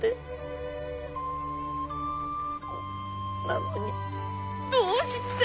なのにどうして。